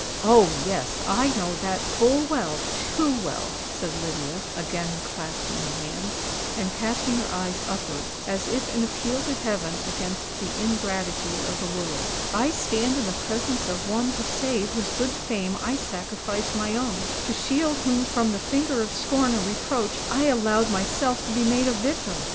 "Oh! yes,—I know that full well—too well," said Lydia, again clasping her hands, and casting her eyes upwards, as if in appeal to heaven against the ingratitude of the world. "I stand in the presence of one to save whose good fame I sacrificed my own—to shield whom from the finger of scorn and reproach, I allowed myself to be made a victim!